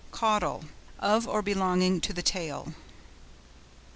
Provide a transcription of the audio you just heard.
CAUDAL.—Of or belonging to the tail.